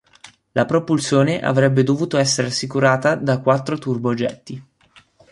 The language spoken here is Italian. La propulsione avrebbe dovuto essere assicurata da quattro turbogetti.